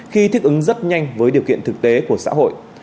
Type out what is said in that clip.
khi thích ứng rất nhanh với điều kiện thực tế của xã hội